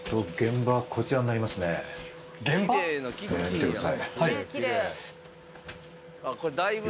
見てください。